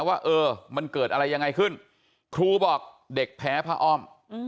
ว่าเออมันเกิดอะไรยังไงขึ้นครูบอกเด็กแพ้ผ้าอ้อม